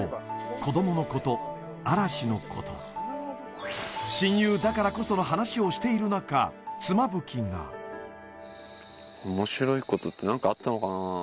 子どものこと嵐のこと親友だからこその話をしているなか妻夫木が面白いことってなんかあったのかな